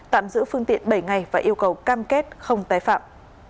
tạm giữ phương tiện bảy ngày và yêu cầu cam kết không tái phạm